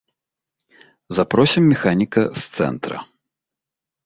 Запросім механіка з цэнтра.